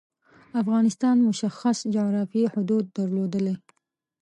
افغانستان مشخص جعرافیايی حدود درلودلي.